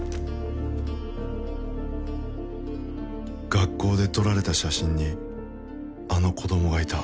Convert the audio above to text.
学校で撮られた写真にあの子供がいた